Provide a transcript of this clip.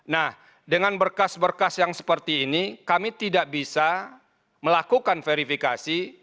nah dengan berkas berkas yang seperti ini kami tidak bisa melakukan verifikasi